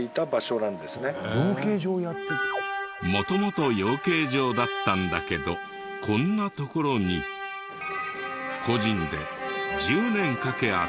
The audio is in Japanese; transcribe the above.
元々養鶏場だったんだけどこんな所に個人で１０年かけ集めたそうで。